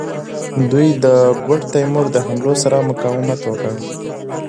دوی د ګوډ تیمور د حملو سره مقاومت وکړ.